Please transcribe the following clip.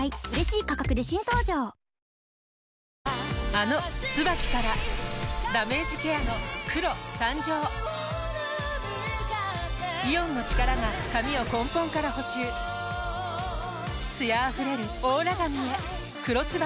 あの「ＴＳＵＢＡＫＩ」からダメージケアの黒誕生イオンの力が髪を根本から補修艶あふれるオーラ髪へ「黒ＴＳＵＢＡＫＩ」